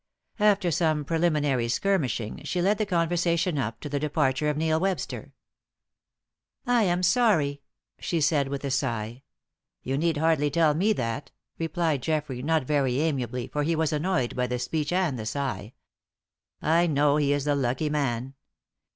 After some preliminary skirmishing, she led the conversation up to the departure of Neil Webster. "I am sorry," she said, with a sigh. "You need hardly tell me that," replied Geoffrey, not very amiably, for he was annoyed by the speech and the sigh. "I know he is the lucky man."